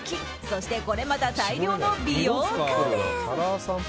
そしてこれまた大量の美容家電。